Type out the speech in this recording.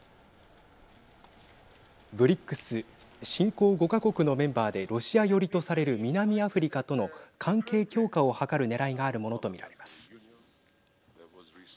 ＢＲＩＣＳ＝新興５か国のメンバーでロシア寄りとされる南アフリカとの関係強化を図るねらいがあるものと見られます。